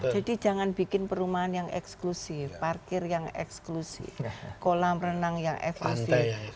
jadi jangan bikin perumahan yang eksklusif parkir yang eksklusif kolam renang yang eksklusif